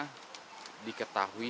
yang mana diketahui